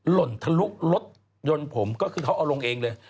หล่นทะลุรถยนต์ผมก็คือเขาเอาลงเองเลย